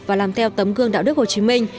và làm theo tuyến